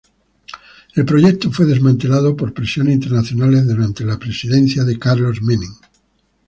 El proyecto fue desmantelado por presiones internacionales, durante la presidencia de Carlos Menem.